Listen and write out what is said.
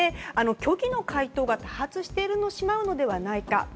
虚偽の回答が多発してしまうのではないか。